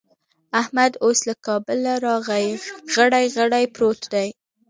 احمد اوس له کابله راغی؛ غړي غړي پروت دی.